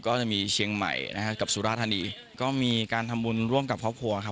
ก็จะมีเชียงใหม่นะครับกับสุราธานีก็มีการทำบุญร่วมกับครอบครัวครับ